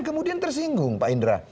kemudian tersinggung pak indra